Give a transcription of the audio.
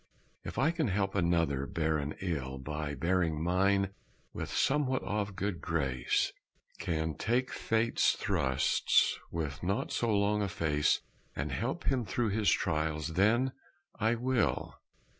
If I can help another bear an ill By bearing mine with somewhat of good grace Can take Fate's thrusts with not too long a face And help him through his trials, then I WILL!